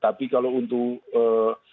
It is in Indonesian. tapi kalau untuk jelolo sendiri